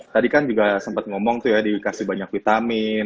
tadi kan juga sempat ngomong tuh ya dikasih banyak vitamin